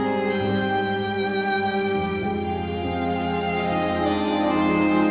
udah banyak bangunan